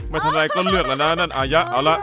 ไม่ทันไรก็เลือกละนะนั่นอาญะเอาละ